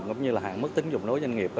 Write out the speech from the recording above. cũng như hạng mức tính dụng nối doanh nghiệp